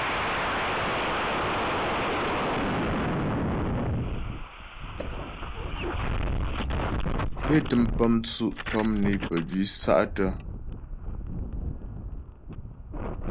É tə́m pə́ mtsʉ' tɔm né pəjwǐ sa'tə́.